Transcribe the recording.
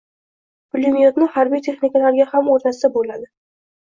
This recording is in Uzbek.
Pulemyotni harbiy texnikalarga ham o‘rnatsa bo‘ladi